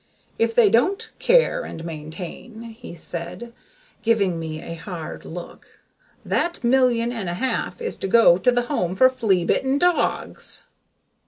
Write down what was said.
If they don't care and maintain," he said, giving me a hard look, "that million and a half is to go to the Home for Flea Bitten Dogs."